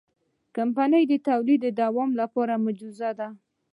کمپنۍ د تولید دوام لپاره مجهزه ده.